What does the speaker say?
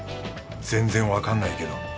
全然わかんないけど。